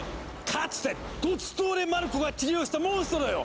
かつてドツトーレ・マルコが治療したモンストロよ！